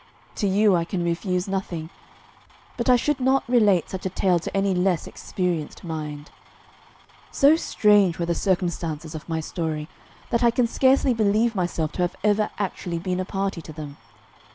To you I can refuse nothing; but I should not relate such a tale to any less experienced mind. So strange were the circumstances of my story, that I can scarcely believe myself to have ever actually been a party to them.